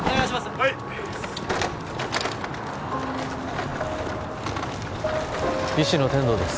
・はい医師の天堂です